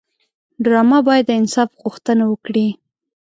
ډرامه باید د انصاف غوښتنه وکړي